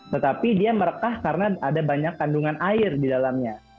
tetapi dia merekah karena ada banyak kandungan air di dalamnya